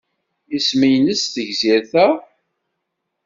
Isem-nnes tegzirt-a?